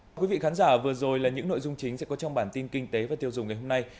quý vị khán giả vừa rồi là những nội dung chính sẽ có trong bản tin kinh tế và tiêu dùng ngày hôm nay